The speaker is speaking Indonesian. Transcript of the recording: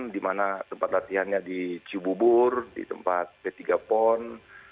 di mana tempat latihannya di cibubur di tempat p tiga pon